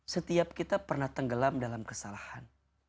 setiap kita pernah tenggelam dalam kesalahan